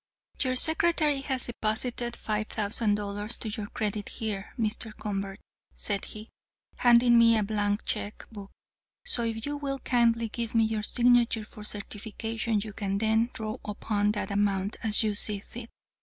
"Your secretary has deposited five thousand dollars to your credit here, Mr. Convert," said he, handing me a blank cheque book, "so if you will kindly give me your signature for certification, you can then draw upon that amount as you see fit."